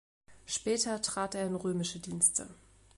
Später trat er in römische Dienste.